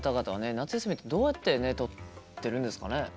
夏休みってどうやってね取ってるんですかね？